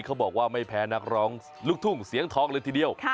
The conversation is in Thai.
เขาบอกว่าไม่แพ้นักร้องลูกทุ่งเสียงทองเลยทีเดียว